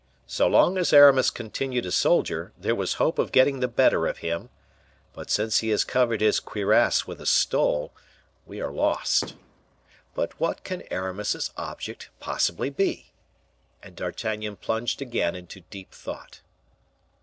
So long as Aramis continued a soldier, there was hope of getting the better of him; but since he has covered his cuirass with a stole, we are lost. But what can Aramis's object possibly be?" And D'Artagnan plunged again into deep thought.